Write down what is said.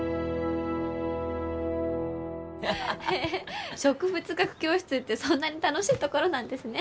へえ植物学教室ってそんなに楽しいところなんですね。